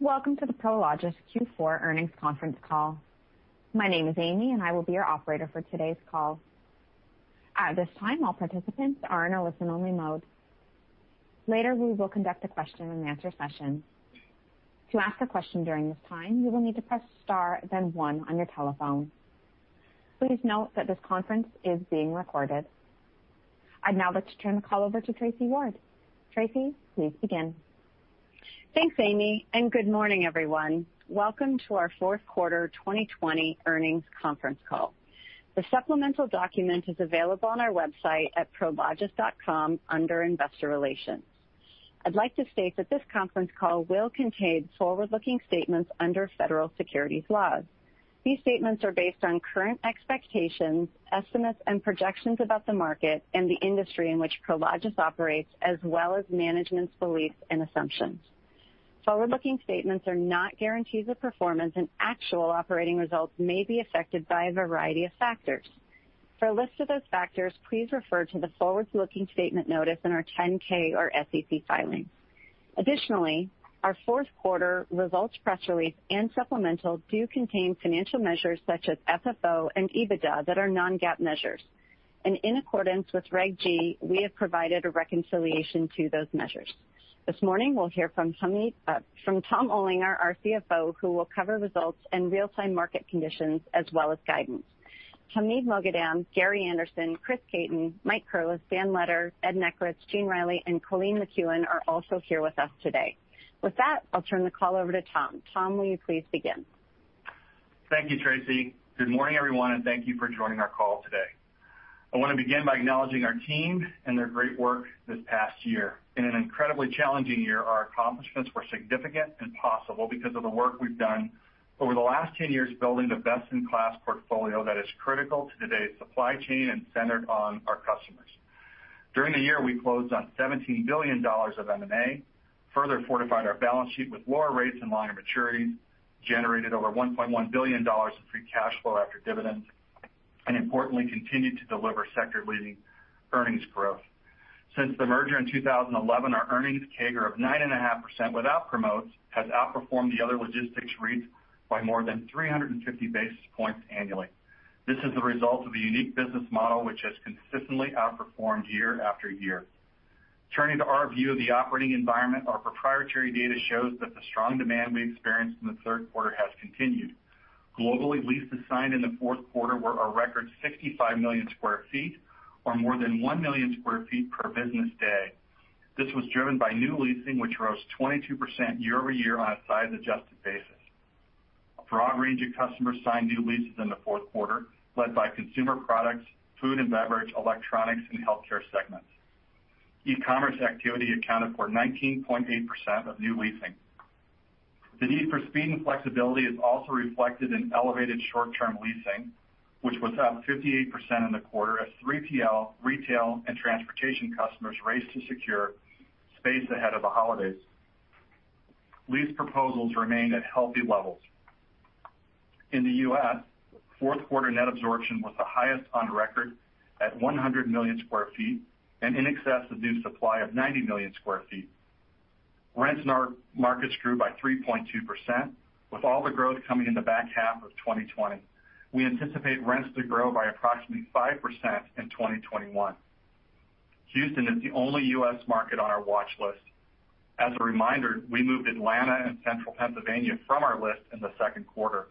Welcome to the Prologis Q4 earnings conference call. My name is Amy, and I will be your operator for today's call. At this time, all participants are in a listen-only mode. Later, we will conduct a question-and-answer session. To ask a question during this time, you will need to press star then one on your telephone. Please note that this conference is being recorded. I'd now like to turn the call over to Tracy Ward. Tracy, please begin. Thanks, Amy, and good morning, everyone. Welcome to our fourth quarter 2020 earnings conference call. The supplemental document is available on our website at prologis.com under Investor Relations. I'd like to state that this conference call will contain forward-looking statements under federal securities laws. These statements are based on current expectations, estimates, and projections about the market and the industry in which Prologis operates, as well as management's beliefs and assumptions. Forward-looking statements are not guarantees of performance, and actual operating results may be affected by a variety of factors. For a list of those factors, please refer to the forward-looking statement notice in our 10K or SEC filings. Additionally, our fourth quarter results press release and supplemental do contain financial measures such as FFO and EBITDA that are non-GAAP measures. In accordance with Reg G, we have provided a reconciliation to those measures. This morning, we'll hear from Tom Olinger, our CFO, who will cover results and real-time market conditions as well as guidance. Hamid Moghadam, Gary Anderson, Chris Caton, Mike Curless, Dan Letter, Ed Nekritz, Gene Reilly, and Colleen McKeown are also here with us today. With that, I'll turn the call over to Tom. Tom, will you please begin? Thank you, Tracy. Good morning, everyone, thank you for joining our call today. I want to begin by acknowledging our team and their great work this past year. In an incredibly challenging year, our accomplishments were significant and possible because of the work we've done over the last 10 years building the best-in-class portfolio that is critical to today's supply chain and centered on our customers. During the year, we closed on $17 billion of M&A, further fortified our balance sheet with lower rates and longer maturities, generated over $1.1 billion in free cash flow after dividends, and importantly, continued to deliver sector-leading earnings growth. Since the merger in 2011, our earnings CAGR of 9.5% without promotes has outperformed the other logistics REITs by more than 350 basis points annually. This is the result of a unique business model which has consistently outperformed year-after-year. Turning to our view of the operating environment, our proprietary data shows that the strong demand we experienced in the third quarter has continued. Globally, leases signed in the fourth quarter were a record 65 million square feet, or more than 1 million square feet per business day. This was driven by new leasing, which rose 22% year-over-year on a size-adjusted basis. A broad range of customers signed new leases in the fourth quarter, led by consumer products, food and beverage, electronics, and healthcare segments. E-commerce activity accounted for 19.8% of new leasing. The need for speed and flexibility is also reflected in elevated short-term leasing, which was up 58% in the quarter as 3PL, retail, and transportation customers raced to secure space ahead of the holidays. Lease proposals remained at healthy levels. In the U.S., fourth quarter net absorption was the highest on record at $100 million square feet and in excess of new supply of $90 million square feet. Rents in our markets grew by 3.2%, with all the growth coming in the back half of 2020. We anticipate rents to grow by approximately 5% in 2021. Houston is the only U.S. market on our watch list. As a reminder, we moved Atlanta and Central Pennsylvania from our list in the second quarter.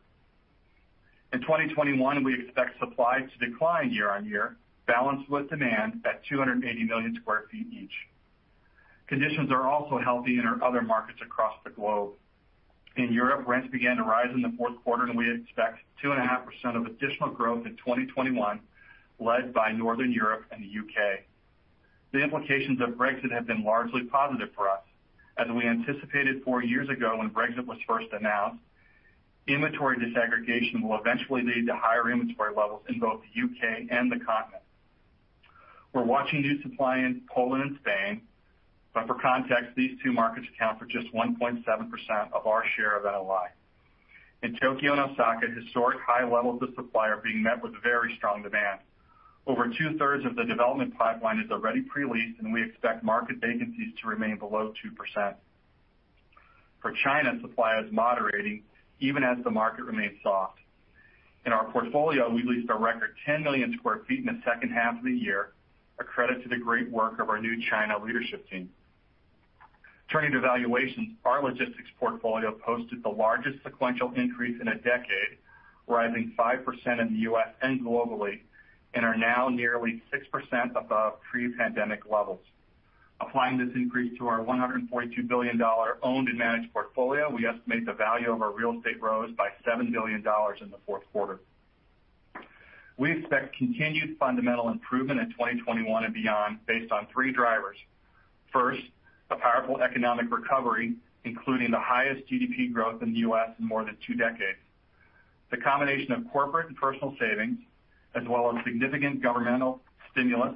In 2021, we expect supply to decline year-over-year, balanced with demand at $280 million square feet each. Conditions are also healthy in our other markets across the globe. In Europe, rents began to rise in the fourth quarter, and we expect 2.5% of additional growth in 2021, led by Northern Europe and the U.K. The implications of Brexit have been largely positive for us. As we anticipated four years ago when Brexit was first announced, inventory disaggregation will eventually lead to higher inventory levels in both the U.K. and the continent. We're watching new supply in Poland and Spain, but for context, these two markets account for just 1.7% of our share of NOI. In Tokyo and Osaka, historic high levels of supply are being met with very strong demand. Over two-thirds of the development pipeline is already pre-leased, and we expect market vacancies to remain below 2%. For China, supply is moderating even as the market remains soft. In our portfolio, we leased a record 10 million square feet in the second half of the year, a credit to the great work of our new China leadership team. Turning to valuations, our logistics portfolio posted the largest sequential increase in a decade, rising 5% in the U.S. and globally, and are now nearly 6% above pre-pandemic levels. Applying this increase to our $142 billion owned and managed portfolio, we estimate the value of our real estate rose by $7 billion in the fourth quarter. We expect continued fundamental improvement in 2021 and beyond based on three drivers. First, a powerful economic recovery, including the highest GDP growth in the U.S. in more than two decades. The combination of corporate and personal savings, as well as significant governmental stimulus,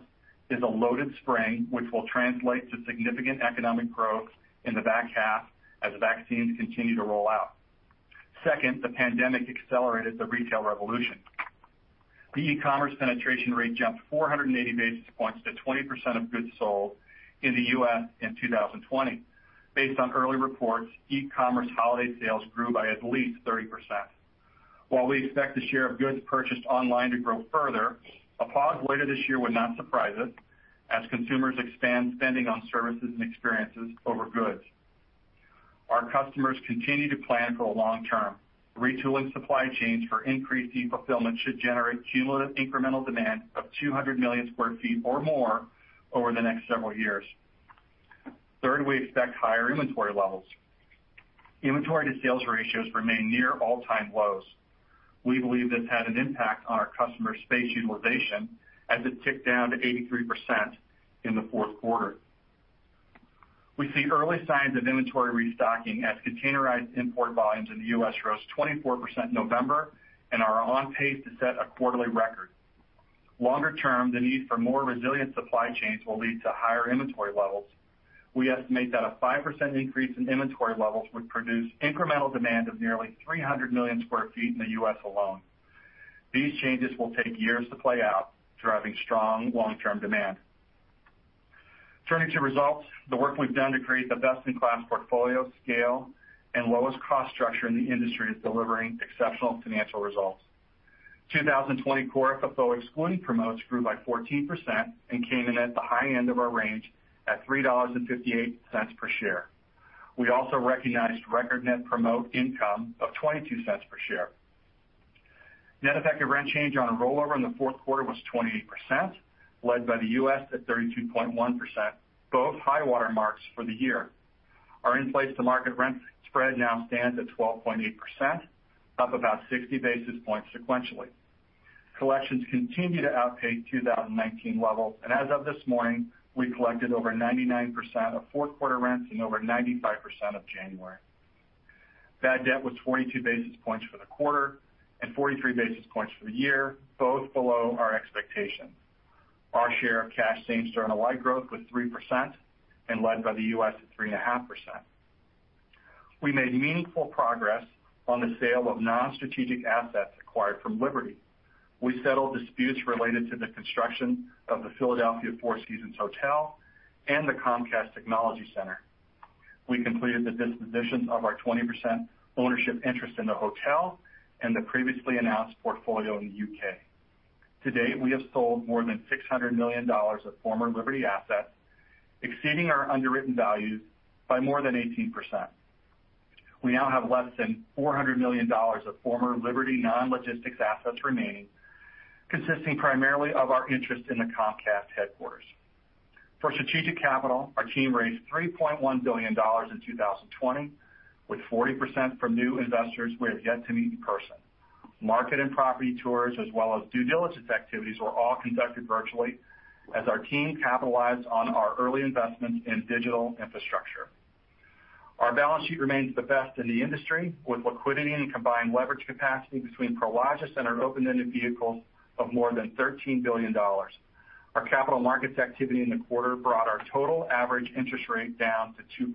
is a loaded spring, which will translate to significant economic growth in the back half as vaccines continue to roll out. Second, the pandemic accelerated the retail revolution. The e-commerce penetration rate jumped 480 basis points to 20% of goods sold in the U.S. in 2020. Based on early reports, e-commerce holiday sales grew by at least 30%. While we expect the share of goods purchased online to grow further, a pause later this year would not surprise us as consumers expand spending on services and experiences over goods. Our customers continue to plan for the long term. Retooling supply chains for increased e-fulfillment should generate cumulative incremental demand of 200 million square feet or more over the next several years. Third, we expect higher inventory levels. Inventory to sales ratios remain near all-time lows. We believe this had an impact on our customer space utilization as it ticked down to 83% in the fourth quarter. We see early signs of inventory restocking as containerized import volumes in the U.S. rose 24% in November and are on pace to set a quarterly record. Longer term, the need for more resilient supply chains will lead to higher inventory levels. We estimate that a 5% increase in inventory levels would produce incremental demand of nearly 300 million square feet in the U.S. alone. These changes will take years to play out, driving strong long-term demand. Turning to results, the work we've done to create the best-in-class portfolio scale and lowest cost structure in the industry is delivering exceptional financial results. 2020 Core FFO excluding promotes grew by 14% and came in at the high end of our range at $3.58 per share. We also recognized record net promote income of $0.22 per share. Net effective rent change on a rollover in the fourth quarter was 28%, led by the U.S. at 32.1%, both high water marks for the year. Our in-place to market rent spread now stands at 12.8%, up about 60 basis points sequentially. Collections continue to outpace 2019 levels. As of this morning, we collected over 99% of fourth quarter rents and over 95% of January. Bad debt was 22 basis points for the quarter and 43 basis points for the year, both below our expectations. Our share of cash same-store NOI growth was 3% and led by the U.S. at 3.5%. We made meaningful progress on the sale of non-strategic assets acquired from Liberty. We settled disputes related to the construction of the Four Seasons Hotel Philadelphia at Comcast Center and the Comcast Technology Center. We completed the dispositions of our 20% ownership interest in the hotel and the previously announced portfolio in the U.K. To date, we have sold more than $600 million of former Liberty assets, exceeding our underwritten values by more than 18%. We now have less than $400 million of former Liberty non-logistics assets remaining, consisting primarily of our interest in the Comcast headquarters. For strategic capital, our team raised $3.1 billion in 2020, with 40% from new investors we have yet to meet in person. Market and property tours as well as due diligence activities were all conducted virtually as our team capitalized on our early investment in digital infrastructure. Our balance sheet remains the best in the industry, with liquidity and combined leverage capacity between Prologis and our open-ended vehicles of more than $13 billion. Our capital markets activity in the quarter brought our total average interest rate down to 2%.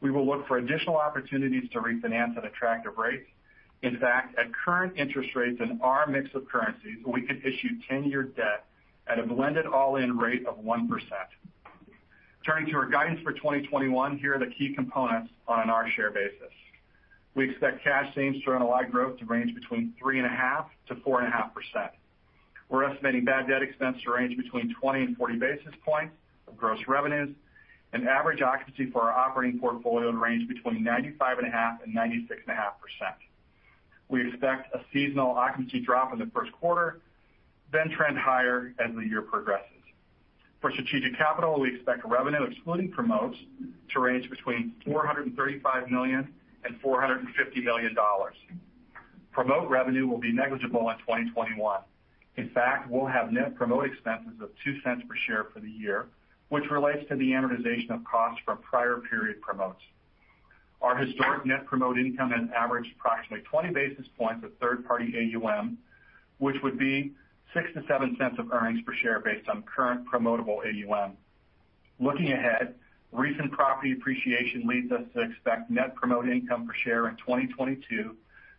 We will look for additional opportunities to refinance at attractive rates. In fact, at current interest rates in our mix of currencies, we could issue 10-year debt at a blended all-in rate of 1%. Turning to our guidance for 2021, here are the key components on an our share basis. We expect cash same-store NOI growth to range between 3.5%-4.5%. We're estimating bad debt expense to range between 20 and 40 basis points of gross revenues and average occupancy for our operating portfolio to range between 95.5% and 96.5%. We expect a seasonal occupancy drop in the first quarter, then trend higher as the year progresses. For strategic capital, we expect revenue excluding promotes to range between $435 million and $450 million. Promote revenue will be negligible in 2021. In fact, we'll have net promote expenses of $0.02 per share for the year, which relates to the amortization of costs from prior period promotes. Our historic net promote income has averaged approximately 20 basis points of third-party AUM, which would be $0.06-$0.07 of earnings per share based on current promotable AUM. Looking ahead, recent property appreciation leads us to expect net promote income per share in 2022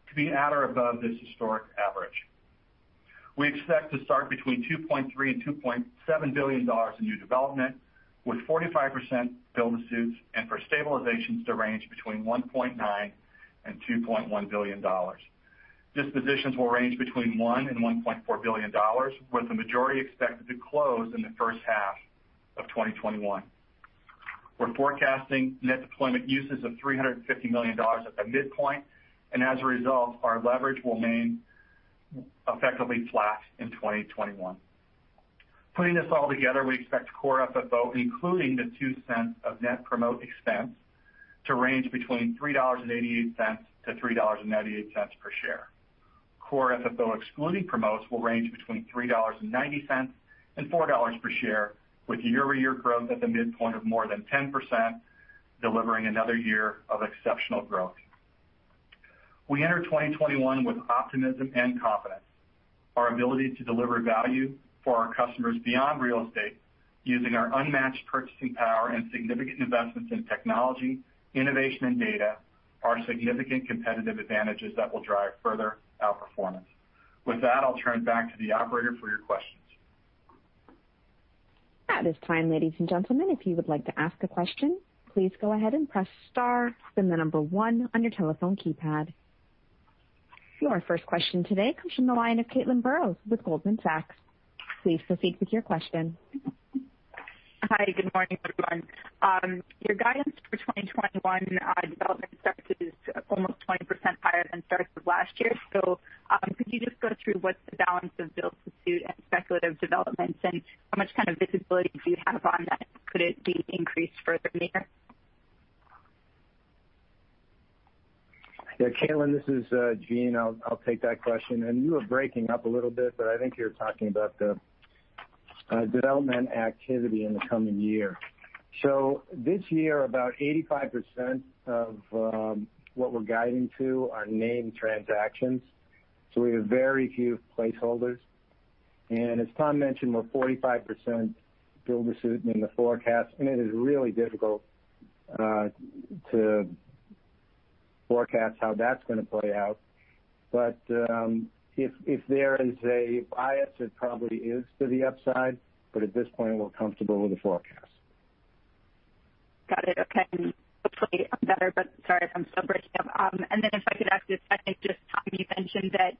to be at or above this historic average. We expect to start between $2.3 billion and $2.7 billion in new development, with 45% build-to-suits and for stabilizations to range between $1.9 billion and $2.1 billion. Dispositions will range between $1 billion and $1.4 billion, with the majority expected to close in the first half of 2021. We're forecasting net deployment uses of $350 million at the midpoint, and as a result, our leverage will remain effectively flat in 2021. Putting this all together, we expect Core FFO, including the $0.02 of net promote expense, to range between $3.88-$3.98 per share. Core FFO excluding promotes will range between $3.90 and $4 per share, with year-over-year growth at the midpoint of more than 10%, delivering another year of exceptional growth. We enter 2021 with optimism and confidence. Our ability to deliver value for our customers beyond real estate using our unmatched purchasing power and significant investments in technology, innovation, and data are significant competitive advantages that will drive further outperformance. With that, I'll turn back to the operator for your questions. At this time, ladies and gentlemen, if you would like to ask a question, please go ahead and press star, then the number one on your telephone keypad. Your first question today comes from the line of Caitlin Burrows with Goldman Sachs. Please proceed with your question. Hi, good morning, everyone. Your guidance for 2021 development starts is almost 20% higher than starts of last year. Could you just go through what the balance of build-to-suit and speculative developments and how much kind of visibility do you have on that? Could it be increased further from here? Yeah, Caitlin, this is Gene. I'll take that question. You were breaking up a little bit, but I think you were talking about the development activity in the coming year. This year, about 85% of what we're guiding to are named transactions. We have very few placeholders. As Tom mentioned, we're 45% build-to-suit in the forecast, and it is really difficult to forecast how that's going to play out. If there is a bias, it probably is to the upside. At this point, we're comfortable with the forecast. Got it. Okay. Hopefully I'm better, but sorry if I'm still breaking up. If I could ask you a second, just Tom, you mentioned that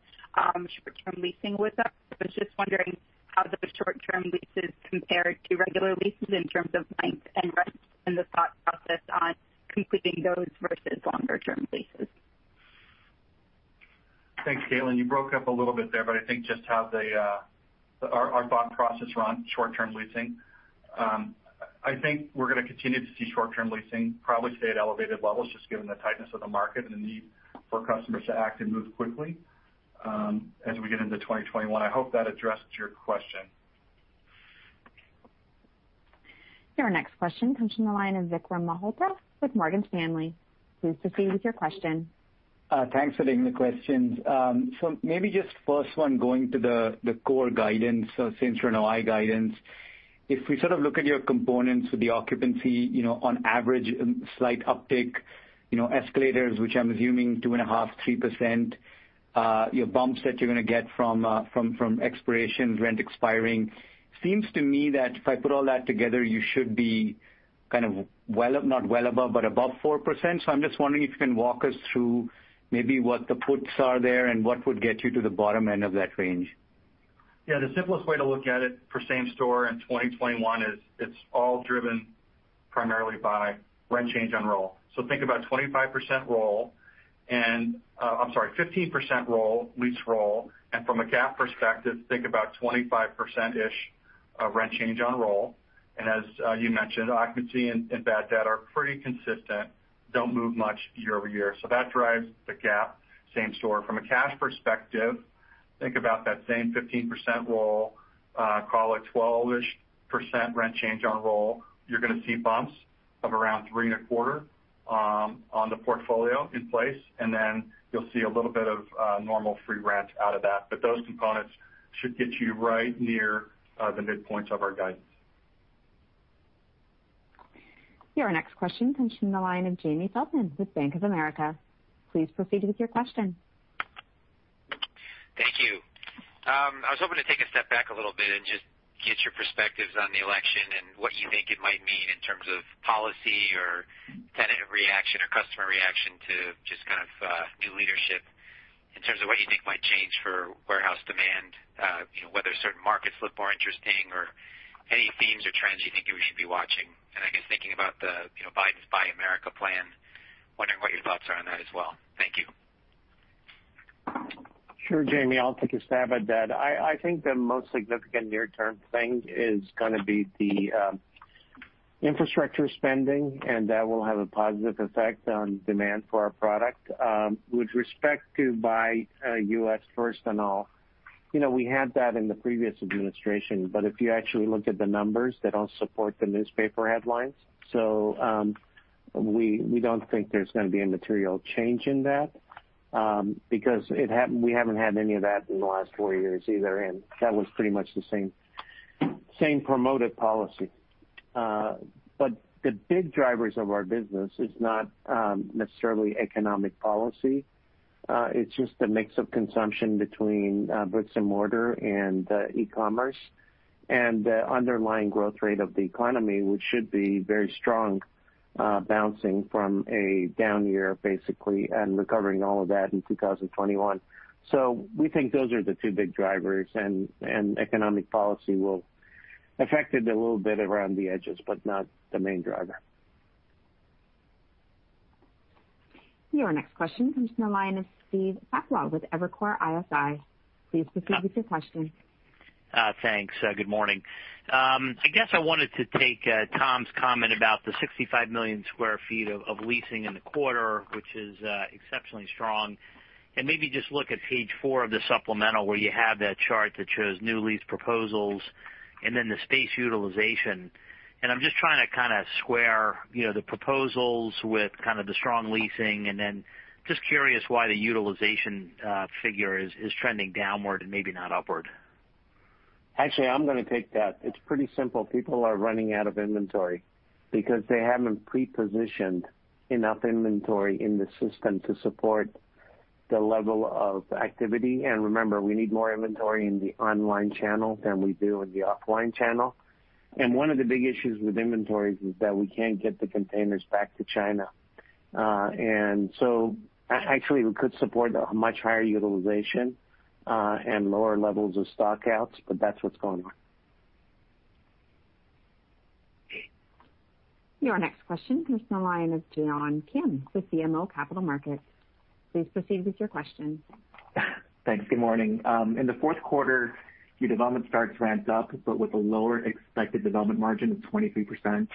short-term leasing was up. I was just wondering how those short-term leases compare to regular leases in terms of length and rents and the thought process on completing those versus longer-term leases. Thanks, Caitlin. You broke up a little bit there, but I think just how our thought process around short-term leasing. I think we're going to continue to see short-term leasing probably stay at elevated levels, just given the tightness of the market and the need for customers to act and move quickly as we get into 2021. I hope that addressed your question. Your next question comes from the line of Vikram Malhotra with Morgan Stanley. Please proceed with your question. Thanks for taking the questions. Maybe just first one, going to the core guidance, since you're an NOI guidance. If we sort of look at your components with the occupancy, on average, slight uptick, escalators, which I'm assuming 2.5%-3%. Your bumps that you're going to get from expirations, rent expiring. Seems to me that if I put all that together, you should be kind of well-- not well above, but above 4%. I'm just wondering if you can walk us through maybe what the puts are there and what would get you to the bottom end of that range. Yeah. The simplest way to look at it for same-store in 2021 is it's all driven primarily by rent change on roll. Think about 25% roll and I'm sorry, 15% roll, lease roll. From a GAAP perspective, think about 25%-ish of rent change on roll. As you mentioned, occupancy and bad debt are pretty consistent, don't move much year-over-year. That drives the GAAP same-store. From a cash perspective, think about that same 15% roll, call it 12%-ish rent change on roll. You're going to see bumps of around 3.25% on the portfolio in place, and then you'll see a little bit of normal free rent out of that. Those components should get you right near the midpoints of our guidance. Your next question comes from the line of Jamie Feldman with Bank of America. Please proceed with your question. Thank you. I was hoping to take a step back a little bit and just get your perspectives on the election and what you think it might mean in terms of policy or tenant reaction or customer reaction to just kind of new leadership in terms of what you think might change for warehouse demand. Whether certain markets look more interesting or any themes or trends you think we should be watching. I guess thinking about Biden's Buy America plan, wondering what your thoughts are on that as well. Thank you. Sure, Jamie, I'll take a stab at that. I think the most significant near-term thing is going to be the infrastructure spending, and that will have a positive effect on demand for our product. With respect to Buy U.S. first and all, we had that in the previous administration, but if you actually look at the numbers, they don't support the newspaper headlines. We don't think there's going to be a material change in that because we haven't had any of that in the last four years either, and that was pretty much the same promoted policy. The big drivers of our business is not necessarily economic policy. It's just a mix of consumption between bricks and mortar and e-commerce and the underlying growth rate of the economy, which should be very strong, bouncing from a down year, basically, and recovering all of that in 2021. We think those are the two big drivers, and economic policy will affect it a little bit around the edges, but not the main driver. Your next question comes from the line of Steve Sakwa with Evercore ISI. Please proceed with your question. Thanks. Good morning. I guess I wanted to take Tom's comment about the 65 million square feet of leasing in the quarter, which is exceptionally strong, maybe just look at Page four of the supplemental where you have that chart that shows new lease proposals and then the space utilization I'm just trying to square the proposals with the strong leasing, and then just curious why the utilization figure is trending downward and maybe not upward. Actually, I'm going to take that. It's pretty simple. People are running out of inventory because they haven't pre-positioned enough inventory in the system to support the level of activity. Remember, we need more inventory in the online channel than we do in the offline channel. One of the big issues with inventories is that we can't get the containers back to China. Actually we could support a much higher utilization, and lower levels of stock outs, but that's what's going on. Your next question comes from the line of John Kim with BMO Capital Markets. Please proceed with your question. Thanks. Good morning. In the fourth quarter, your development starts ramped up, but with a lower expected development margin of 23%,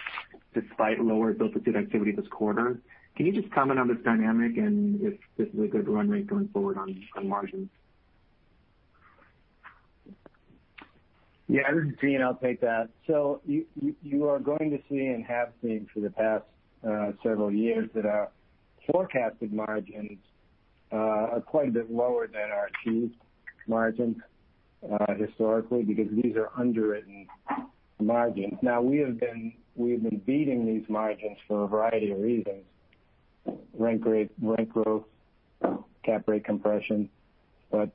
despite lower built to suit activity this quarter. Can you just comment on this dynamic and if this is a good run rate going forward on margins? Yeah, this is Gene, I'll take that. You are going to see and have seen for the past several years that our forecasted margins are quite a bit lower than our achieved margins, historically, because these are underwritten margins. Now we have been beating these margins for a variety of reasons. Rent growth, cap rate compression. I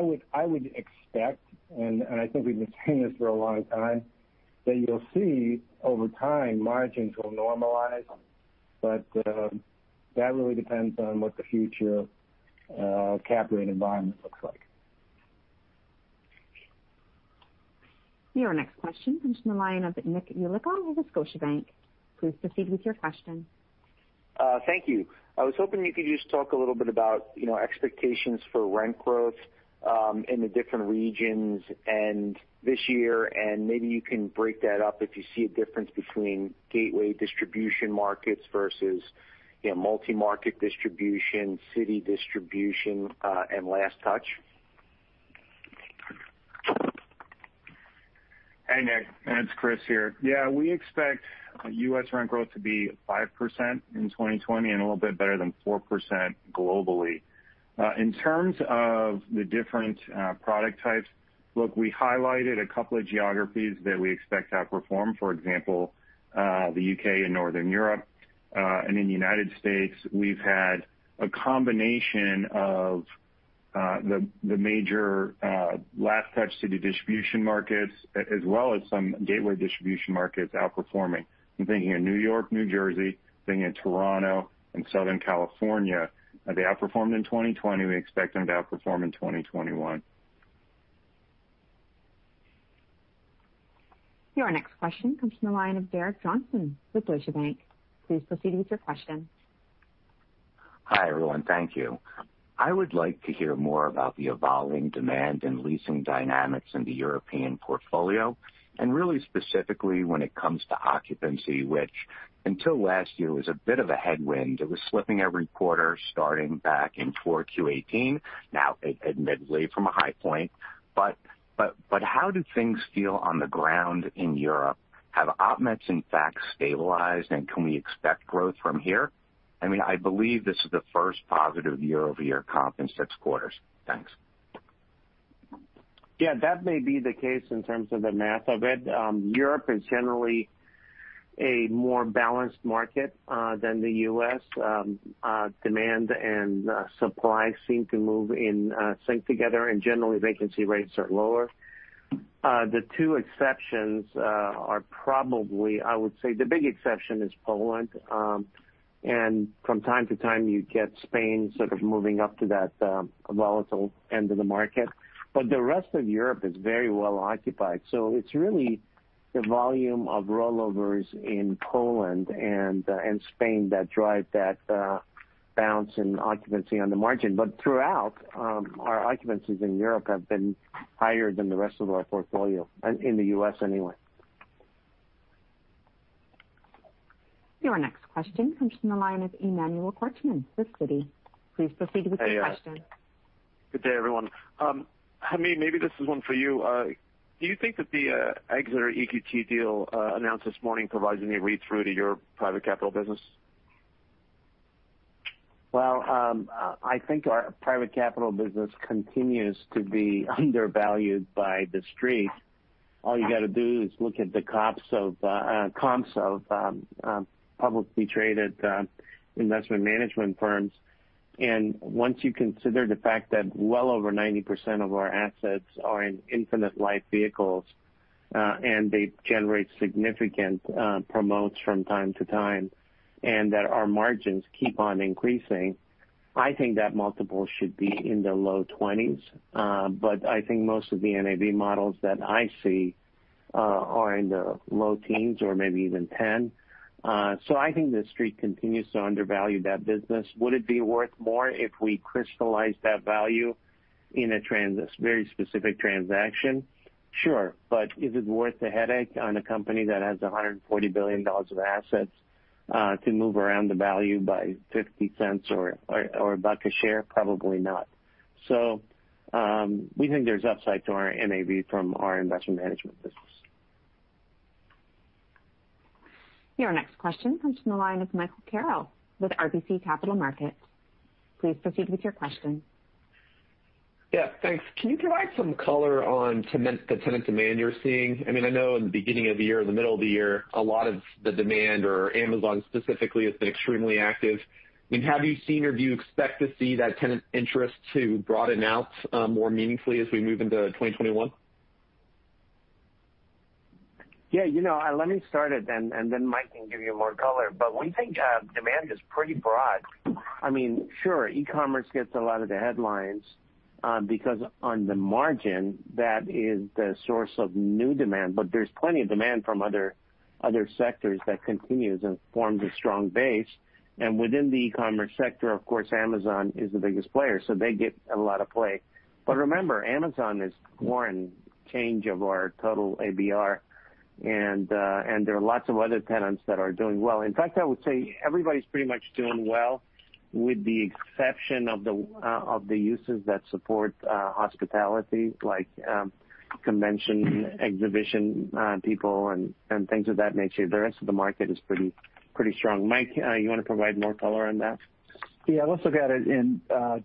would expect, and I think we've been saying this for a long time, that you'll see over time margins will normalize. That really depends on what the future cap rate environment looks like. Your next question comes from the line of Nick Yulico with Scotiabank. Please proceed with your question. Thank you. I was hoping you could just talk a little bit about expectations for rent growth in the different regions this year, and maybe you can break that up if you see a difference between gateway distribution markets versus multi-market distribution, city distribution, and last touch. Hey Nick, it's Chris here. Yeah, we expect U.S. rent growth to be 5% in 2020 and a little bit better than 4% globally. In terms of the different product types, look, we highlighted a couple of geographies that we expect to outperform, for example, the U.K. and Northern Europe. In the United States, we've had a combination of the major last touch city distribution markets, as well as some gateway distribution markets outperforming. I'm thinking of New York, New Jersey, thinking of Toronto and Southern California. They outperformed in 2020. We expect them to outperform in 2021. Your next question comes from the line of Derek Johnston with Deutsche Bank. Please proceed with your question. Hi, everyone. Thank you. I would like to hear more about the evolving demand and leasing dynamics in the European portfolio, and really specifically when it comes to occupancy, which until last year was a bit of a headwind. It was slipping every quarter starting back in 4Q 2018. Now admittedly from a high point, but how do things feel on the ground in Europe? Have op mets in fact stabilized and can we expect growth from here? I believe this is the first positive year-over-year comp in six quarters. Thanks. Yeah, that may be the case in terms of the math of it. Europe is generally a more balanced market than the U.S. Demand and supply seem to move in sync together, and generally vacancy rates are lower. The two exceptions are probably, I would say the big exception is Poland. From time to time you get Spain sort of moving up to that volatile end of the market. The rest of Europe is very well occupied. It's really the volume of rollovers in Poland and Spain that drive that bounce in occupancy on the margin. Throughout, our occupancies in Europe have been higher than the rest of our portfolio, in the U.S. anyway. Your next question comes from the line of Emmanuel Korchman with Citi. Please proceed with your question. Good day everyone. Hamid, maybe this is one for you. Do you think that the Exeter EQT deal announced this morning provides any read-through to your private capital business? Well, I think our private capital business continues to be undervalued by the Street. All you got to do is look at the comps of publicly traded investment management firms. Once you consider the fact that well over 90% of our assets are in infinite life vehicles, and they generate significant promotes from time to time, and that our margins keep on increasing, I think that multiple should be in the low 20s. I think most of the NAV models that I see are in the low teens or maybe even 10. I think the Street continues to undervalue that business. Would it be worth more if we crystallize that value in a very specific transaction? Sure. Is it worth the headache on a company that has $140 billion of assets to move around the value by $0.50 or $1 a share? Probably not. We think there's upside to our NAV from our investment management business. Your next question comes from the line of Michael Carroll with RBC Capital Markets. Please proceed with your question. Yeah, thanks. Can you provide some color on the tenant demand you're seeing? I know in the beginning of the year, in the middle of the year, a lot of the demand or Amazon specifically has been extremely active. Have you seen or do you expect to see that tenant interest to broaden out more meaningfully as we move into 2021? Yeah. Let me start it. Mike can give you more color. We think demand is pretty broad. Sure, e-commerce gets a lot of the headlines, because on the margin, that is the source of new demand. There's plenty of demand from other sectors that continues and forms a strong base. Within the e-commerce sector, of course, Amazon is the biggest player, so they get a lot of play. Remember, Amazon is one change of our total ABR, and there are lots of other tenants that are doing well. In fact, I would say everybody's pretty much doing well, with the exception of the uses that support hospitality, like convention, exhibition people, and things of that nature. The rest of the market is pretty strong. Mike, you want to provide more color on that? Yeah. Let's look at it in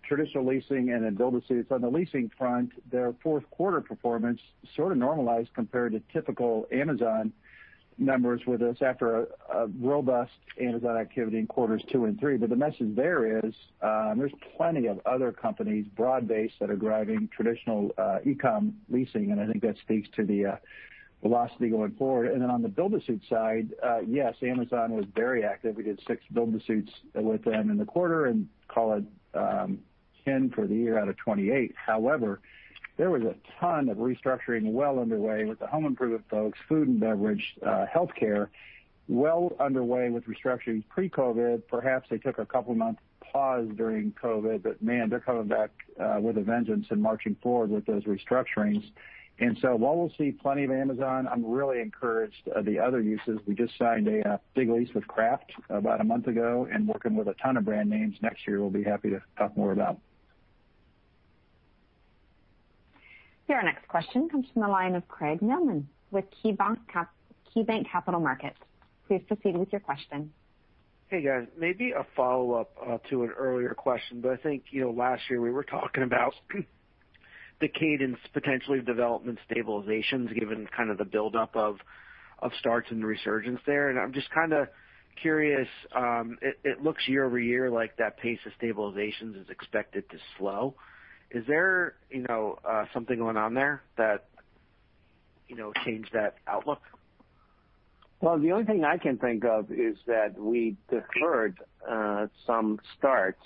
traditional leasing and in build-to-suits. On the leasing front, their fourth quarter performance sort of normalized compared to typical Amazon members with us after a robust Amazon activity in quarters 2 and 3. The message there is, there's plenty of other companies, broad-based, that are driving traditional e-com leasing, and I think that speaks to the velocity going forward. On the build-to-suit side, yes, Amazon was very active. We did six build-to-suits with them in the quarter, and call it 10 for the year out of 28. However, there was a ton of restructuring well underway with the home improvement folks, food and beverage, healthcare, well underway with restructurings pre-COVID. Perhaps they took a couple of months' pause during COVID, but man, they're coming back with a vengeance and marching forward with those restructurings. While we'll see plenty of Amazon, I'm really encouraged at the other uses. We just signed a big lease with Kraft about a month ago and working with a ton of brand names next year we'll be happy to talk more about. Your next question comes from the line of Craig Mailman with KeyBanc Capital Markets. Please proceed with your question. Hey, guys. Maybe a follow-up to an earlier question, I think last year we were talking about the cadence potentially of development stabilizations, given kind of the buildup of starts and the resurgence there. And I'm just kind of curious. It looks year-over-year like that pace of stabilizations is expected to slow. Is there something going on there that changed that outlook? Well, the only thing I can think is that we deferred some starts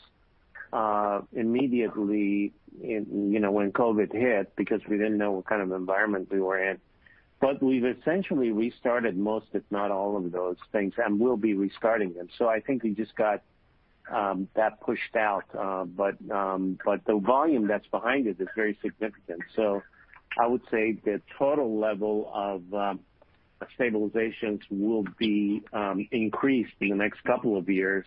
immediately when COVID hit, because we didn't know what kind of environment we were in. We've essentially restarted most, if not all of those things, and will be restarting them. I think we just got that pushed out. The volume that's behind it is very significant. I would say the total level of stabilizations will be increased the next couple of years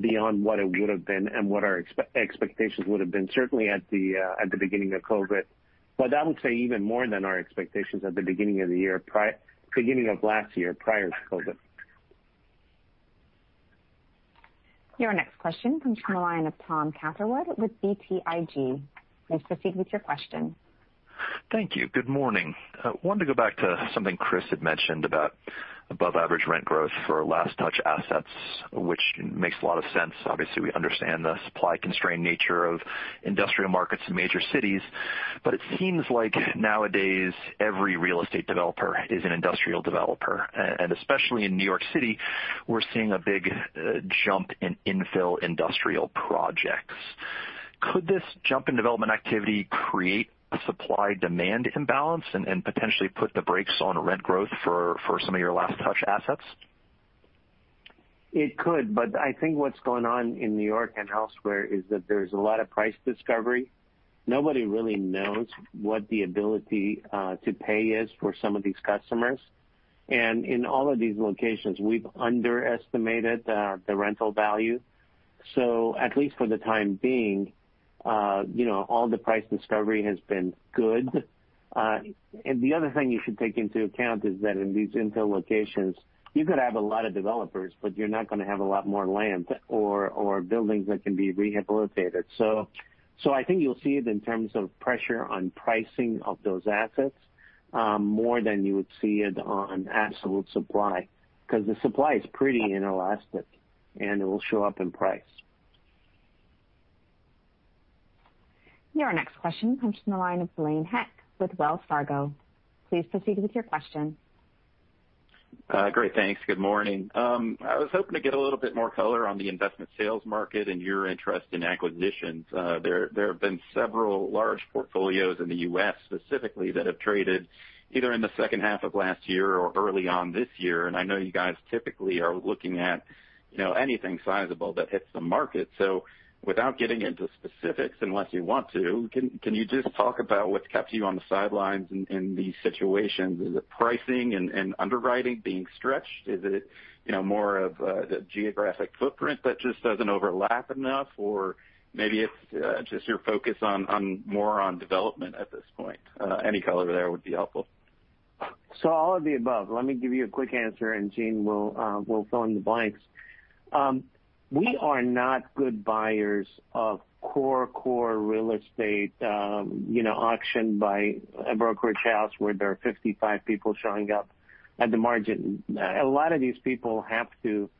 beyond what it would've been and what our expectations would've been, certainly at the beginning of COVID. I would say even more than our expectations at the beginning of last year, prior to COVID. Your next question comes from the line of Tom Catherwood with BTIG. Please proceed with your question. Thank you. Good morning. I wanted to go back to something Chris had mentioned about above-average rent growth for last-touch assets, which makes a lot of sense. Obviously, we understand the supply-constrained nature of industrial markets in major cities. It seems like nowadays every real estate developer is an industrial developer. Especially in New York City, we're seeing a big jump in infill industrial projects. Could this jump in development activity create a supply-demand imbalance and potentially put the brakes on rent growth for some of your last-touch assets? It could. I think what's going on in New York and elsewhere is that there's a lot of price discovery. Nobody really knows what the ability to pay is for some of these customers. In all of these locations, we've underestimated the rental value. At least for the time being, all the price discovery has been good. The other thing you should take into account is that in these infill locations, you could have a lot of developers, but you're not going to have a lot more land or buildings that can be rehabilitated. I think you'll see it in terms of pressure on pricing of those assets more than you would see it on absolute supply, because the supply is pretty inelastic, and it will show up in price. Your next question comes from the line of Blaine Heck with Wells Fargo. Please proceed with your question. Great. Thanks. Good morning. I was hoping to get a little bit more color on the investment sales market and your interest in acquisitions. There have been several large portfolios in the U.S. specifically that have traded either in the second half of last year or early on this year. I know you guys typically are looking at anything sizable that hits the market. Without getting into specifics, unless you want to, can you just talk about what's kept you on the sidelines in these situations? Is it pricing and underwriting being stretched? Is it more of the geographic footprint that just doesn't overlap enough? Maybe it's just your focus more on development at this point. Any color there would be helpful. All of the above. Let me give you a quick answer, and Gene will fill in the blanks. We are not good buyers of core real estate, auctioned by a brokerage house where there are 55 people showing up at the margin. A lot of these people have to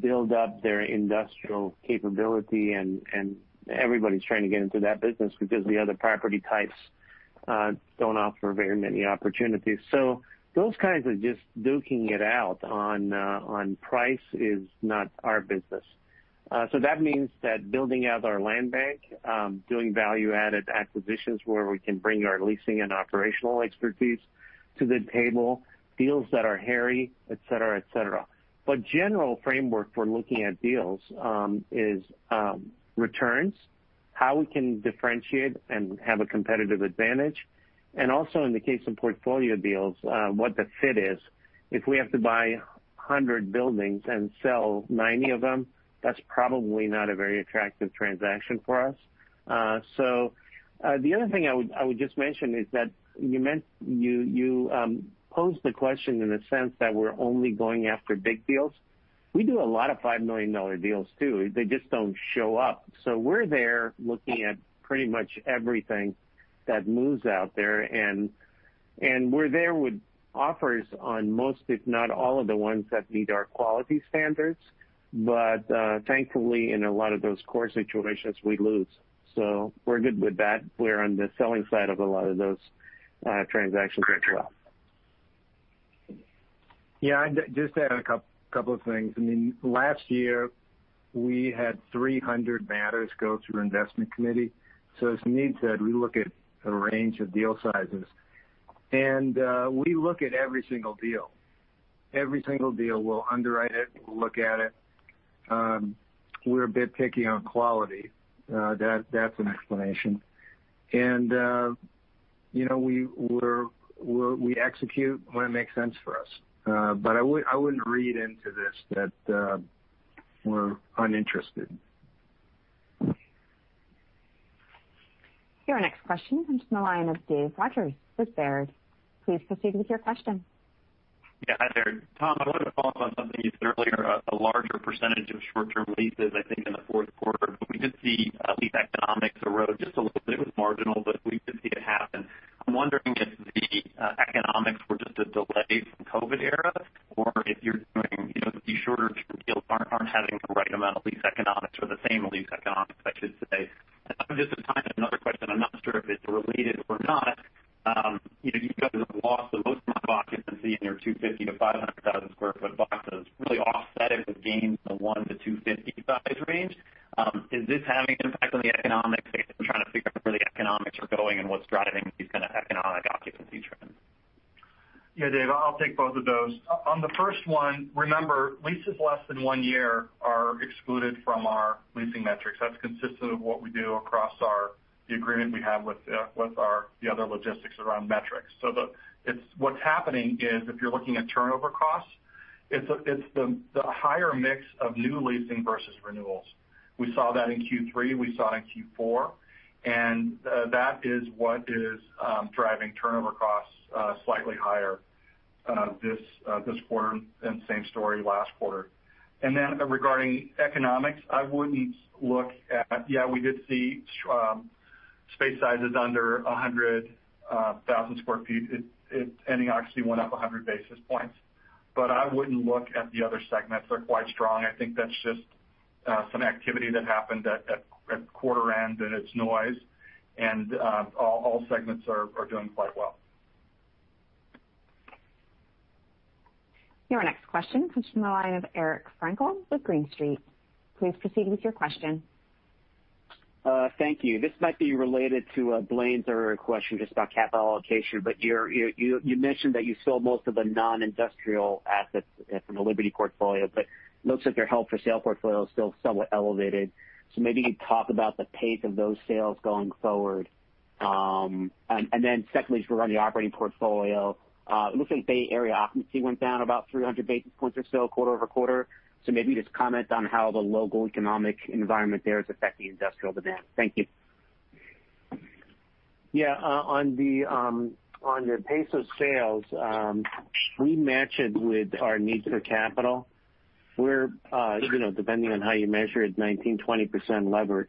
build up their industrial capability and everybody's trying to get into that business because the other property types don't offer very many opportunities. Those guys are just duking it out on price is not our business. That means that building out our land bank, doing value-added acquisitions where we can bring our leasing and operational expertise to the table, deals that are hairy, et cetera. General framework for looking at deals is returns, how we can differentiate and have a competitive advantage, and also in the case of portfolio deals, what the fit is. If we have to buy 100 buildings and sell 90 of them, that's probably not a very attractive transaction for us. The other thing I would just mention is that you posed the question in the sense that we're only going after big deals. We do a lot of $5 million deals, too. They just don't show up. We're there looking at pretty much everything that moves out there, and we're there with offers on most, if not all of the ones that meet our quality standards. Thankfully in a lot of those core situations, we lose. We're good with that. We're on the selling side of a lot of those transactions as well. Yeah, I'd just add a couple of things. Last year, we had 300 matters go through our investment committee. As Suneet said, we look at a range of deal sizes, and we look at every single deal. Every single deal, we'll underwrite it, we'll look at it. We're a bit picky on quality. That's an explanation. We execute when it makes sense for us. I wouldn't read into this that we're uninterested. Your next question comes from the line of Dave Rodgers with Baird. Please proceed with your question. Yeah. Hi there, Tom. I wanted to follow up on something you said earlier about a larger percentage of short-term leases, I think, in the fourth quarter. We did see lease economics erode just a little bit. It was marginal, but we did see it happen. I'm wondering if the economics were just a delay from COVID era or if you're doing these shorter term deals aren't having the right amount of lease economics or the same lease economics, I should say. Just to tie in another question, I'm not sure if it's related or not. You guys have lost a little bit of occupancy in your 250,000 sq ft-500,000 sq ft boxes, really offsetting the gains in the one to 250 size range. Is this having an impact on the economics? I'm trying to figure out where the economics are going and what's driving these kind of economic occupancy trends. Dave, I'll take both of those. On the first one, remember, leases less than one year are excluded from our leasing metrics. That's consistent with what we do across the agreement we have with the other logistics around metrics. What's happening is if you're looking at turnover costs, it's the higher mix of new leasing versus renewals. We saw that in Q3, we saw it in Q4, and that is what is driving turnover costs slightly higher this quarter, and same story last quarter. Regarding economics, we did see space sizes under 100,000 sq ft, ending occupancy went up 100 basis points. I wouldn't look at the other segments. They're quite strong. I think that's just some activity that happened at quarter end and it's noise, and all segments are doing quite well. Your next question comes from the line of Eric Frankel with Green Street. Please proceed with your question. Thank you. This might be related to Blaine's earlier question, just about capital allocation. You mentioned that you sold most of the non-industrial assets from the Liberty portfolio, but looks like your held-for-sale portfolio is still somewhat elevated. Maybe you could talk about the pace of those sales going forward. Secondly, just around the operating portfolio. It looks like Bay Area occupancy went down about 300 basis points or so quarter-over-quarter. Maybe just comment on how the local economic environment there is affecting industrial demand. Thank you. On the pace of sales, we match it with our needs for capital. We're, depending on how you measure it, 19%, 20% levered.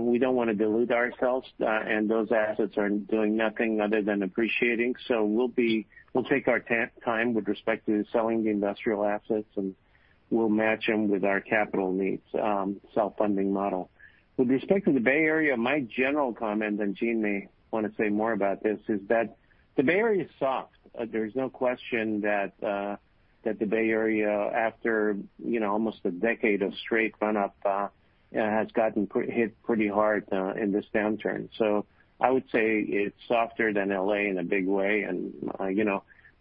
We don't want to dilute ourselves. Those assets are doing nothing other than appreciating. We'll take our time with respect to selling the industrial assets, and we'll match them with our capital needs, self-funding model. With respect to the Bay Area, my general comment, and Gene may want to say more about this, is that the Bay Area is soft. There's no question that the Bay Area, after almost a decade of straight run-up, has gotten hit pretty hard in this downturn. I would say it's softer than L.A. in a big way.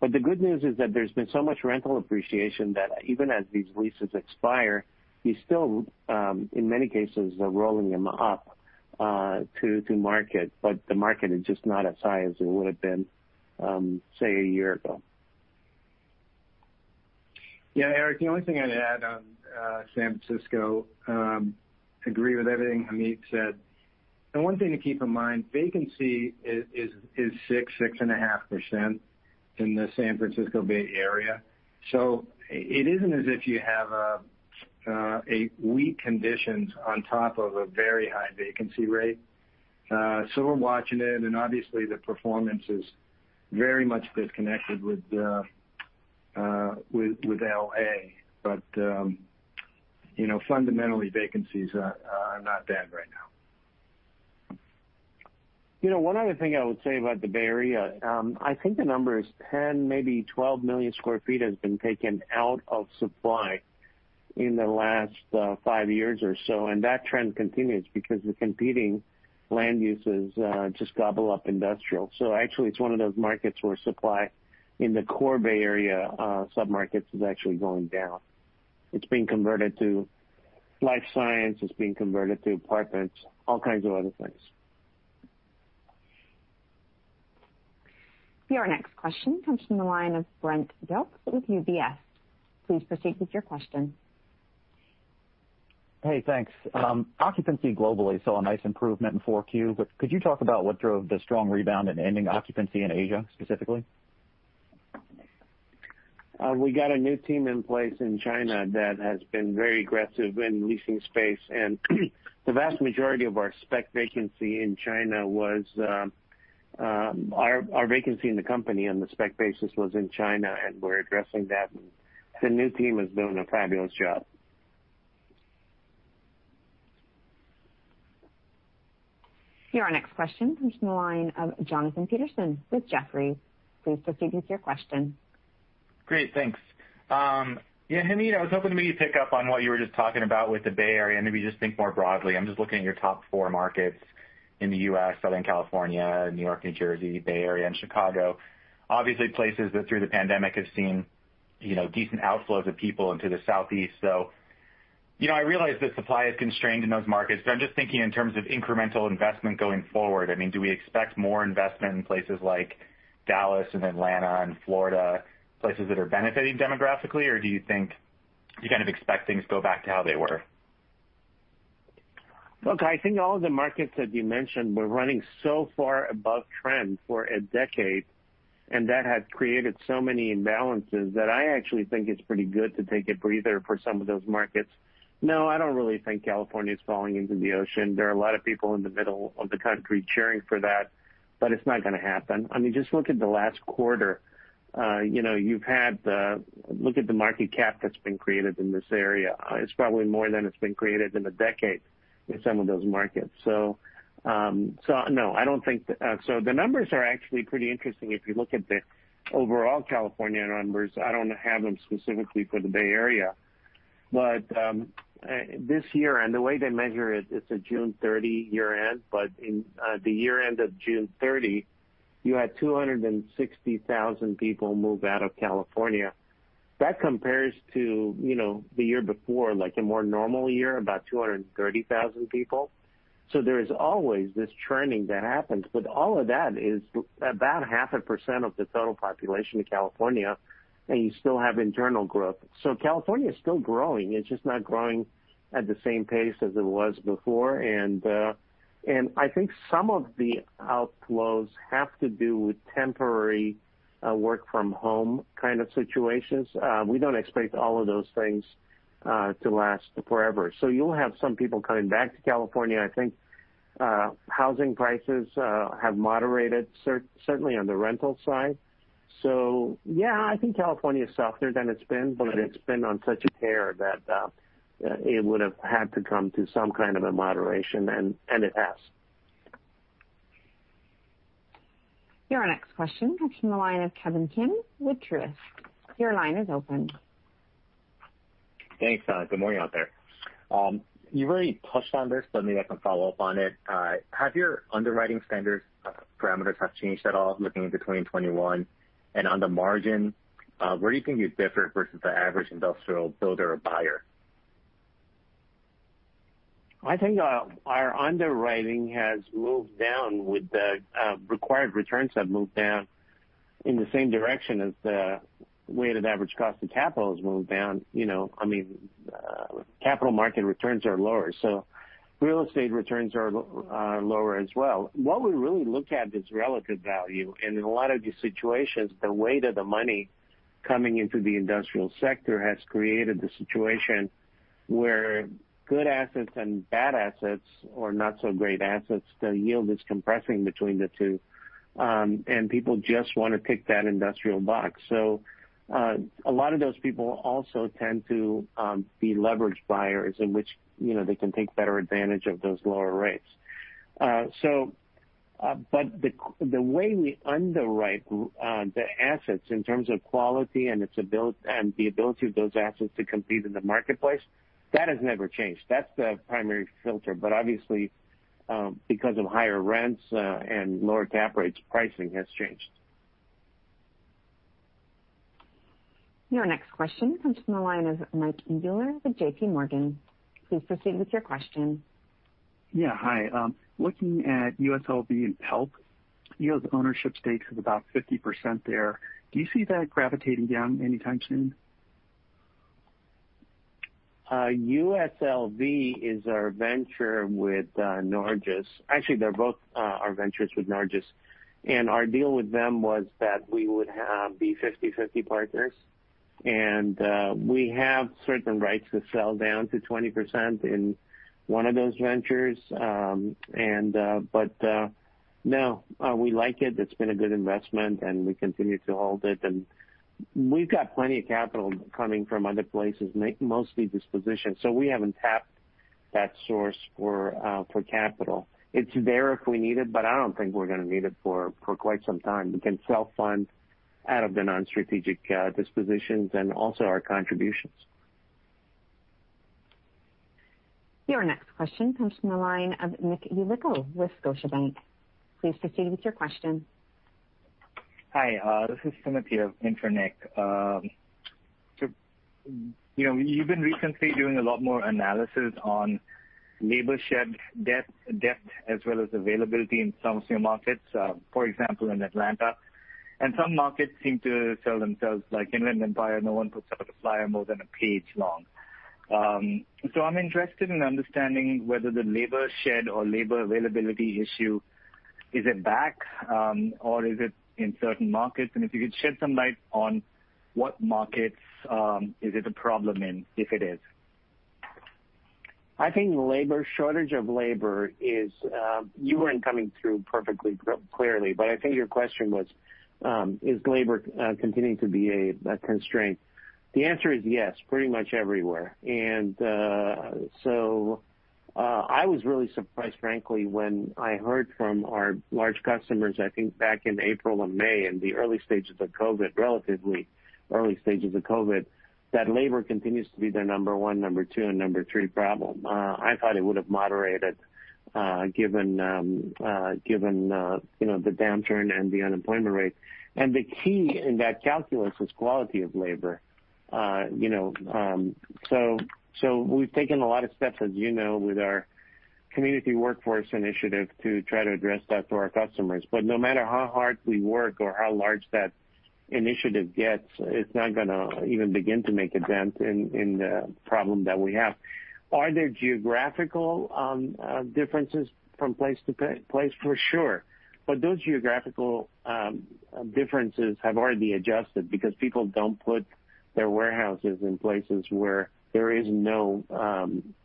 The good news is that there's been so much rental appreciation that even as these leases expire, you still in many cases are rolling them up to market, but the market is just not as high as it would've been say a year ago. Yeah, Eric, the only thing I'd add on San Francisco, agree with everything Hamid said. The one thing to keep in mind, vacancy is 6%-6.5% in the San Francisco Bay Area. It isn't as if you have a weak conditions on top of a very high vacancy rate. We're watching it and obviously the performance is very much disconnected with L.A. Fundamentally vacancies are not bad right now. One other thing I would say about the Bay Area, I think the number is 10, maybe 12 million square feet has been taken out of supply in the last five years or so. That trend continues because the competing land uses just gobble up industrial. Actually, it's one of those markets where supply in the core Bay Area sub-markets is actually going down. It's being converted to life science, it's being converted to apartments, all kinds of other things. Your next question comes from the line of Brent Dilts with UBS. Please proceed with your question. Hey, thanks. Occupancy globally saw a nice improvement in 4Q, but could you talk about what drove the strong rebound in ending occupancy in Asia specifically? We got a new team in place in China that has been very aggressive in leasing space. Our vacancy in the company on the spec basis was in China. We're addressing that. The new team has done a fabulous job. Your next question comes from the line of Jonathan Petersen with Jefferies. Please proceed with your question. Great, thanks. Yeah, Hamid, I was hoping maybe you'd pick up on what you were just talking about with the Bay Area, and maybe just think more broadly. I'm just looking at your top four markets in the U.S., Southern California, New York, New Jersey, Bay Area, and Chicago. Obviously places that through the pandemic have seen decent outflows of people into the Southeast. I realize that supply is constrained in those markets, but I'm just thinking in terms of incremental investment going forward. Do we expect more investment in places like Dallas and Atlanta and Florida, places that are benefiting demographically, or do you think you kind of expect things go back to how they were? Look, I think all of the markets that you mentioned were running so far above trend for a decade. That has created so many imbalances that I actually think it's pretty good to take a breather for some of those markets. No, I don't really think California's falling into the ocean. There are a lot of people in the middle of the country cheering for that. It's not going to happen. I mean, just look at the last quarter. Look at the market cap that's been created in this area. It's probably more than it's been created in a decade in some of those markets. No. The numbers are actually pretty interesting if you look at the overall California numbers. I don't have them specifically for the Bay Area. This year, and the way they measure it's a June 30 year-end, but in the year end of June 30, you had 260,000 people move out of California. That compares to the year before, like a more normal year, about 230,000 people. There is always this churning that happens, but all of that is about half a percent of the total population of California, and you still have internal growth. California is still growing. It's just not growing at the same pace as it was before, and I think some of the outflows have to do with temporary work from home kind of situations. We don't expect all of those things to last forever. You'll have some people coming back to California. I think housing prices have moderated, certainly on the rental side. Yeah, I think California is softer than it's been, but it's been on such a tear that it would have had to come to some kind of a moderation, and it has. Your next question comes from the line of Ki Bin Kim with Truist. Your line is open. Thanks. Good morning out there. You've already touched on this, but maybe I can follow up on it. Have your underwriting standards parameters changed at all looking into 2021? On the margin, where do you think you differ versus the average industrial builder or buyer? I think our underwriting has moved down with the required returns have moved down in the same direction as the weighted average cost of capital has moved down. Capital market returns are lower, so real estate returns are lower as well. What we really look at is relative value, and in a lot of these situations, the weight of the money coming into the industrial sector has created the situation where good assets and bad assets or not so great assets, the yield is compressing between the two. People just want to tick that industrial box. A lot of those people also tend to be leveraged buyers in which they can take better advantage of those lower rates. The way we underwrite the assets in terms of quality and the ability of those assets to compete in the marketplace, that has never changed. That's the primary filter. Obviously because of higher rents and lower cap rates, pricing has changed. Your next question comes from the line of Mike Mueller with JPMorgan. Please proceed with your question. Yeah, hi. Looking at USLV and PELP, you know the ownership stake is about 50% there. Do you see that gravitating down anytime soon? USLV is our venture with Norges. Actually, they're both our ventures with Norges, and our deal with them was that we would be 50/50 partners, and we have certain rights to sell down to 20% in one of those ventures. No, we like it. It's been a good investment, and we continue to hold it. We've got plenty of capital coming from other places, mostly dispositions. We haven't tapped that source for capital. It's there if we need it, but I don't think we're going to need it for quite some time. We can self-fund out of the non-strategic dispositions and also our contributions. Your next question comes from the line of Nick Yulico with Scotiabank. Please proceed with your question. Hi, this is Timothy of InterNick. You've been recently doing a lot more analysis on labor shed depth, as well as availability in some of your markets, for example, in Atlanta. Some markets seem to sell themselves, like Inland Empire, no one puts out a flyer more than a page long. I'm interested in understanding whether the labor shed or labor availability issue, is it back, or is it in certain markets? If you could shed some light on what markets is it a problem in, if it is. You weren't coming through perfectly clearly, but I think your question was, is labor continuing to be a constraint? The answer is yes, pretty much everywhere. I was really surprised, frankly, when I heard from our large customers, I think back in April and May in the early stages of COVID, relatively early stages of COVID, that labor continues to be their number 1, number 2, and number 3 problem. I thought it would have moderated given the downturn and the unemployment rate. The key in that calculus is quality of labor. We've taken a lot of steps, as you know, with our community workforce initiative to try to address that to our customers. No matter how hard we work or how large that initiative gets, it's not going to even begin to make a dent in the problem that we have. Are there geographical differences from place to place? For sure. Those geographical differences have already adjusted because people don't put their warehouses in places where there is no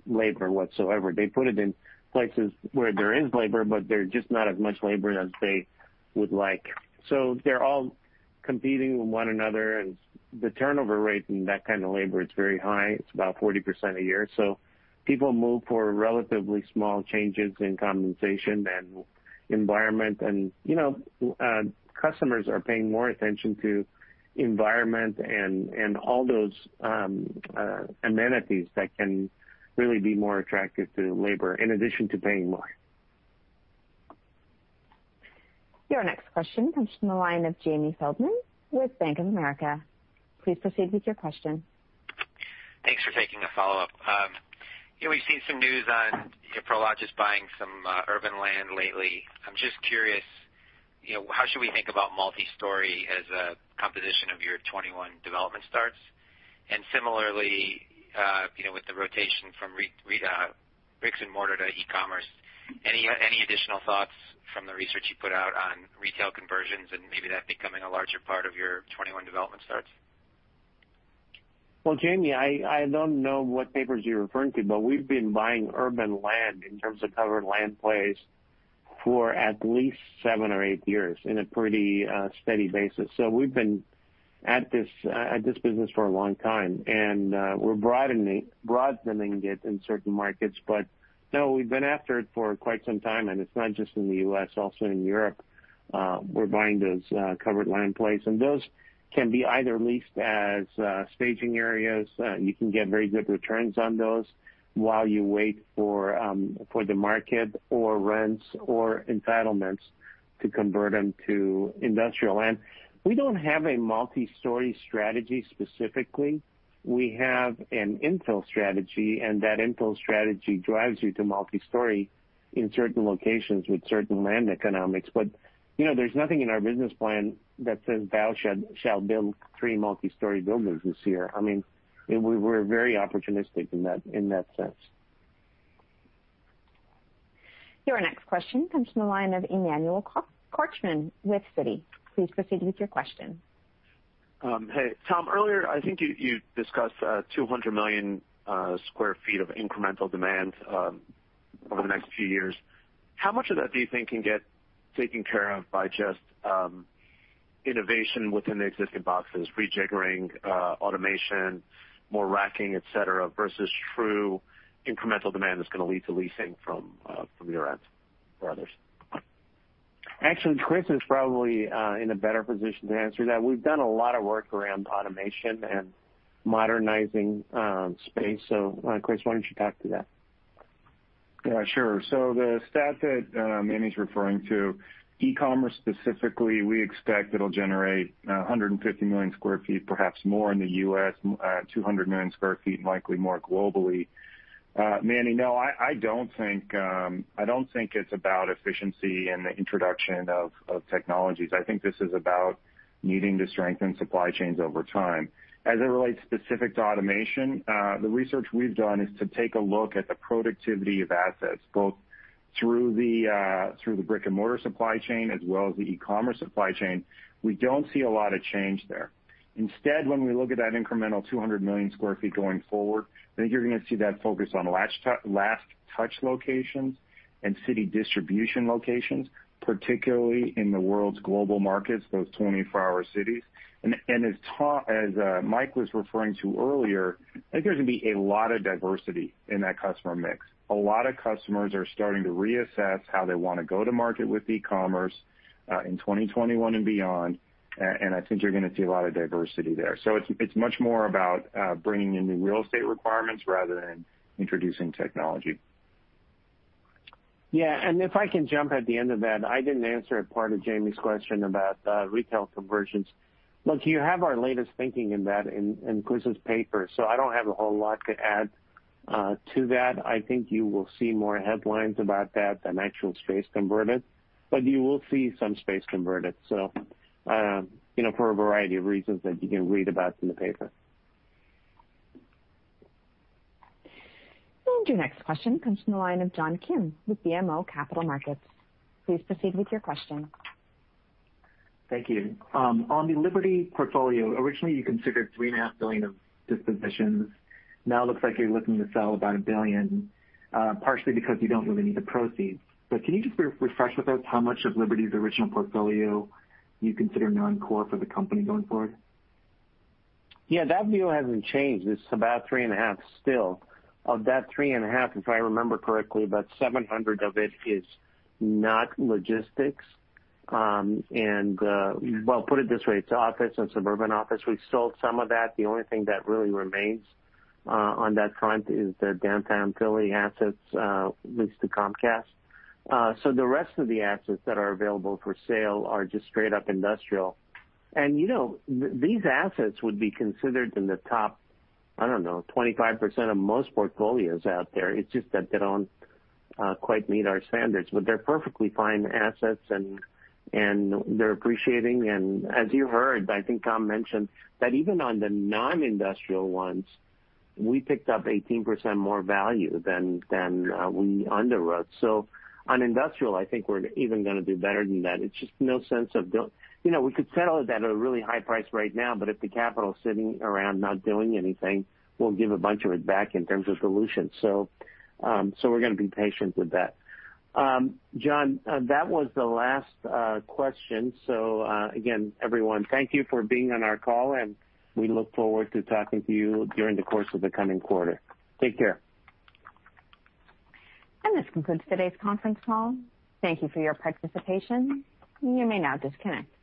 labor whatsoever. They put it in places where there is labor, but there is just not as much labor as they would like. They're all competing with one another, and the turnover rate in that kind of labor is very high. It's about 40% a year. People move for relatively small changes in compensation and environment. Customers are paying more attention to environment and all those amenities that can really be more attractive to labor, in addition to paying more. Your next question comes from the line of Jamie Feldman with Bank of America. Please proceed with your question. Thanks for taking the follow-up. We've seen some news on Prologis buying some urban land lately. I'm just curious, how should we think about multi-story as a composition of your 2021 development starts? Similarly, with the rotation from bricks and mortar to e-commerce, any additional thoughts from the research you put out on retail conversions and maybe that becoming a larger part of your 2021 development starts? Well, Jamie, I don't know what papers you're referring to, but we've been buying urban land in terms of covered land plays for at least seven or eight years in a pretty steady basis. We've been at this business for a long time, and we're broadening it in certain markets. No, we've been after it for quite some time, and it's not just in the U.S., also in Europe, we're buying those covered land plays. Those can be either leased as staging areas. You can get very good returns on those while you wait for the market or rents or entitlements to convert them to industrial land. We don't have a multi-story strategy specifically. We have an infill strategy, and that infill strategy drives you to multi-story in certain locations with certain land economics. There's nothing in our business plan that says, Thou shall build three multi-story buildings this year. I mean, we're very opportunistic in that sense. Your next question comes from the line of Emmanuel Korchman with Citi. Please proceed with your question. Hey, Tom. Earlier, I think you discussed 200 million square feet of incremental demand over the next few years. How much of that do you think can get taken care of by just innovation within the existing boxes, rejiggering, automation, more racking, et cetera, versus true incremental demand that's going to lead to leasing from your end or others? Actually, Chris is probably in a better position to answer that. We've done a lot of work around automation and modernizing space. Chris, why don't you talk to that? Yeah, sure. The stat that Manny's referring to, e-commerce specifically, we expect it'll generate 150 million square feet, perhaps more in the U.S., 200 million square feet, likely more globally. Manny, no, I don't think it's about efficiency and the introduction of technologies. I think this is about needing to strengthen supply chains over time. As it relates specific to automation, the research we've done is to take a look at the productivity of assets, both through the brick-and-mortar supply chain as well as the e-commerce supply chain. We don't see a lot of change there. Instead, when we look at that incremental 200 million square feet going forward, I think you're going to see that focus on last touch locations and city distribution locations, particularly in the world's global markets, those 24-hour cities. As Mike was referring to earlier, I think there's going to be a lot of diversity in that customer mix. A lot of customers are starting to reassess how they want to go to market with e-commerce in 2021 and beyond. I think you're going to see a lot of diversity there. It's much more about bringing in new real estate requirements rather than introducing technology. Yeah. If I can jump at the end of that, I didn't answer a part of Jamie's question about retail conversions. Look, you have our latest thinking in that in Chris's paper. I don't have a whole lot to add to that. I think you will see more headlines about that than actual space converted, but you will see some space converted for a variety of reasons that you can read about in the paper. Your next question comes from the line of John Kim with BMO Capital Markets. Please proceed with your question. Thank you. On the Liberty portfolio, originally you considered $3.5 billion of dispositions. Now it looks like you're looking to sell about $1 billion, partially because you don't really need the proceeds. Can you just refresh with us how much of Liberty's original portfolio you consider non-core for the company going forward? That view hasn't changed. It's about three and a half still. Of that three and a half, if I remember correctly, about $700 of it is not logistics. Put it this way, it's office and suburban office. We've sold some of that. The only thing that really remains on that front is the downtown Philly assets leased to Comcast. The rest of the assets that are available for sale are just straight up industrial. These assets would be considered in the top, I don't know, 25% of most portfolios out there. It's just that they don't quite meet our standards, but they're perfectly fine assets, and they're appreciating. As you heard, I think Tom mentioned that even on the non-industrial ones, we picked up 18% more value than we underwrote. On industrial, I think we're even going to do better than that. It's just no sense of we could sell it at a really high price right now, but if the capital's sitting around not doing anything, we'll give a bunch of it back in terms of solutions. We're going to be patient with that. John, that was the last question. Again, everyone, thank you for being on our call, and we look forward to talking to you during the course of the coming quarter. Take care. This concludes today's conference call. Thank you for your participation. You may now disconnect.